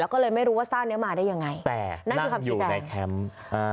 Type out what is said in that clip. แล้วก็เลยไม่รู้ว่าสร้างเนี้ยมาได้ยังไงแต่นั่นคือคำชี้แจงในแคมป์อ่า